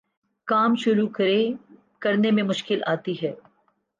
کام شروع کرے میں مشکل آتی ہے